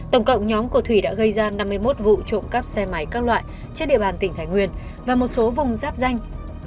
tổng cộng nhóm của thủy đã gây ra năm mươi một vụ trộm cắp xe máy các loại trên địa bàn tỉnh thái nguyên và một số vùng giáp danh